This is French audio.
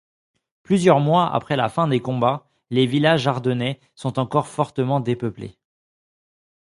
Plusieurs mois après la fin des combats, les villages ardennais sont encore fortement dépeuplés.